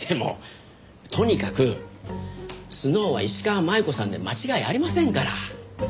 とにかくスノウは石川真悠子さんで間違いありませんから。